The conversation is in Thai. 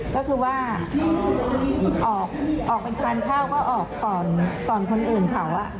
ก็คือว่าออกไปทานข้าวก็ออกก่อนคนอื่นเขา